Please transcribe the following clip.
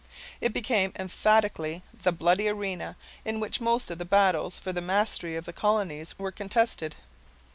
It became, emphatically, the bloody arena, in which most of the battles for the mastery of the colonies were contested.